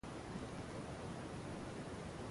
The prizes were known as the Fanny Cole Memorial Prize.